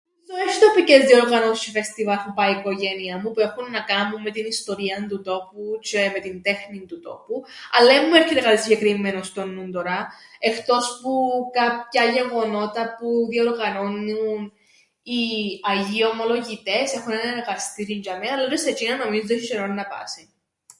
Έσ̆ει τοπικές διοργανώσεις τζ̆αι φεστιβάλ που πάει η οικογένεια μου που έχουν να κάμουν με την ιστορία του τόπου τζ̆αι με την τέχνην του τόπου αλλά εν μου έρκεται κάτι συγκεκριμμένον στον νουν τωρά, εχτός που κάποια γεγονότα που διοργανώννουν οι Αγίοι Ομολογητές, έχουν έναν εργαστήριν τζ̆ειαμαί αλλά τζ̆αι σε τζ̆είνα έσ̆ει τζ̆αιρόν να πάσιν.